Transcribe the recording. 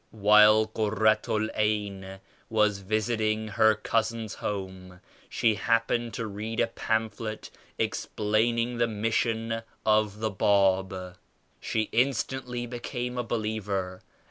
While Kur ratu TAyn was visiting her cousin's home she happened to read a pamphlet explaining the Mission of the Bab. She instantly became a believer.